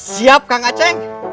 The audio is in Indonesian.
siap kang aceh